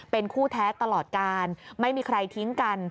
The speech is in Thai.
เป็นคู่แท้ตลอดการไม่มีใครทิ้งกัน